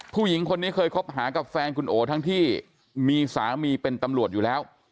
ผู้หญิงคนนี้เคยคบหากับแฟนคุณโอทั้งที่มีสามีเป็นตำรวจอยู่แล้ว